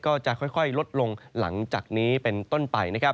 ก็จะค่อยลดลงหลังจากนี้เป็นต้นไปนะครับ